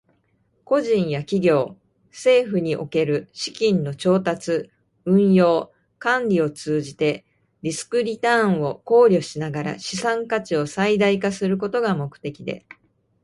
個人や企業、政府における資金の調達、運用、管理を通じて、リスクとリターンを考慮しながら資産価値を最大化することが目的です。